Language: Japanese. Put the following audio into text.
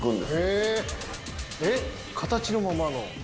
へぇえっ形のままの。